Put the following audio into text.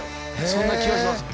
そんな気がします。